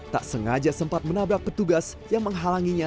tak sengaja sempat menabrak petugas yang menghalanginya